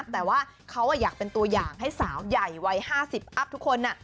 แต่ว่าเขาอยากเป็นตัวอย่างให้สาวใหญ่วัย๕๐อัพทุกคน